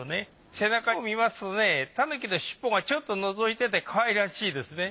背中を見ますとね狸の尻尾がちょっとのぞいててかわいらしいですね。